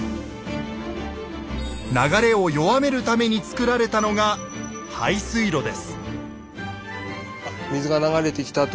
流れを弱めるためにつくられたのがなるほど！